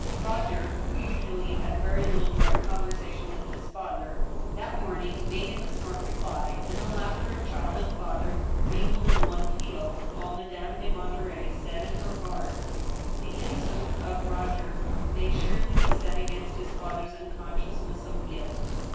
Roger, who usually had very little direct conversation with his father, that morning made him a smart reply, and the laughter of child and father mingled in one peal, while Madame de Monterey said, in her heart :" The innocence of Roger may surely be set against his father's " unconsciousness of guilt.